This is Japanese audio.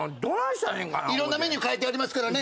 色んなメニュー書いてありますからね。